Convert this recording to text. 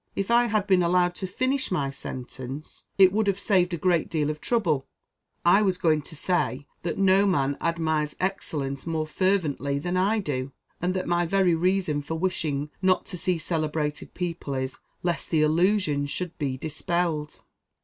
If I had been allowed to finish my sentence, it would have saved a great deal of trouble, I was going to say that no man admires excellence more fervently than I do, and that my very reason for wishing not to see celebrated people is, lest the illusion should be dispelled.